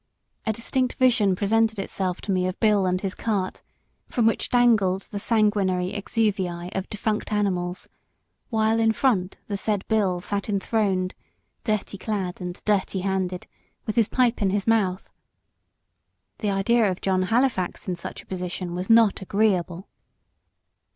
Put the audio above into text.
A distinct vision presented itself to me of Bill and his cart, from which dangled the sanguinary exuviae of defunct animals, while in front the said Bill sat enthroned, dirty clad, and dirty handed, with his pipe in his mouth. The idea of John Halifax in such a position was not agreeable.